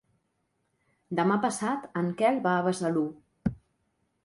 Demà passat en Quel va a Besalú.